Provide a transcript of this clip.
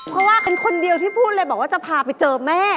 เพราะว่าเป็นคนเดียวที่พูดเลยบอกว่าจะพาไปเจอแม่